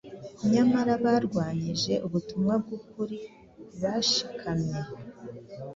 nyamara barwanyije ubutumwa bw’ukuri bashikamye.